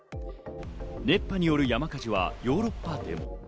熱波による山火事はヨーロッパでも。